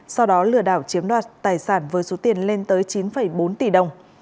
sau đó lừa đảo chiếm đoạt tài sản với số tiền lên tới chín bốn tỷ đồng